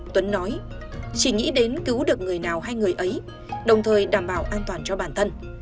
tuấn nói chỉ nghĩ đến cứu được người nào hay người ấy đồng thời đảm bảo an toàn cho bản thân